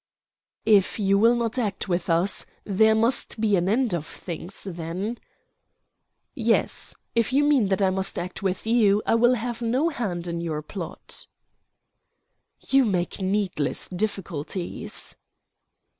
"If you will not act with us, there must be an end of things, then." "Yes, if you mean that I must act with you, I will have no hand in your plot." "You make needless difficulties."